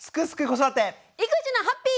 「育児のハッピー」！